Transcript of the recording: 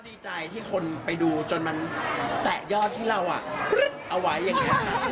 ดีใจที่คนไปดูจนมันแตะยอดที่เราเอาไว้อย่างนี้ค่ะ